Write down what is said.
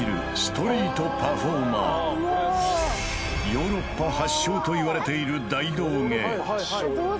ヨーロッパ発祥といわれている大道芸